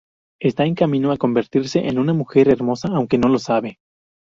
Esta en camino a convertirse en una mujer hermosa aunque no lo sabe.